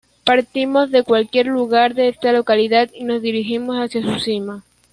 Partimos de cualquier lugar de esta localidad y nos dirigimos hacia su cima.